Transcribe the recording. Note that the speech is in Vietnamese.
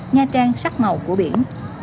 hai nghìn một mươi chín nha trang sắc màu của biển